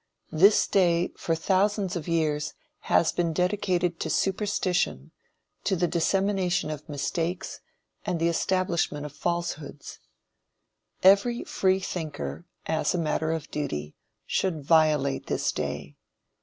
This day, for thousands of years, has been dedicated to superstition, to the dissemination of mistakes, and the establishment of falsehoods. Every Freethinker, as a matter of duty, should violate this day.